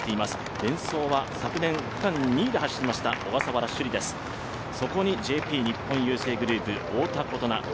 デンソーは昨年も走りました小笠原朱里です、そこにＪＰ日本郵政グループ、太田琴菜。